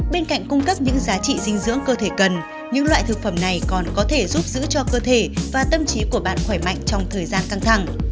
bên cạnh cung cấp những giá trị dinh dưỡng cơ thể cần những loại thực phẩm này còn có thể giúp giữ cho cơ thể và tâm trí của bạn khỏe mạnh trong thời gian căng thẳng